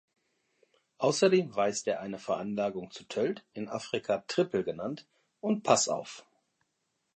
Außerdem weist er eine Veranlagung zu Tölt (in Afrika "Trippel" genannt) und Pass auf.